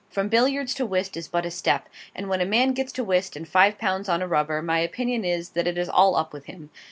From billiards to whist is but a step and when a man gets to whist and five pounds on a rubber, my opinion is, that it is all up with him.